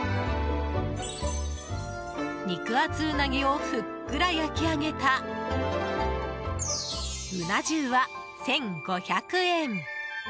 肉厚ウナギをふっくら焼き上げたうな重は１５００円。